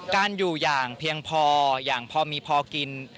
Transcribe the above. การอยู่อย่างเพียงพออย่างพอมีพอกิน